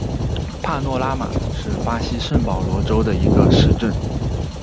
帕诺拉马是巴西圣保罗州的一个市镇。